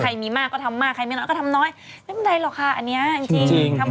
มีมากก็ทำมากใครไม่น้อยก็ทำน้อยไม่เป็นไรหรอกค่ะอันนี้จริงจริงทำ